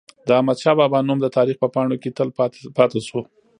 د احمد شاه بابا نوم د تاریخ په پاڼو کي تل پاتي سو.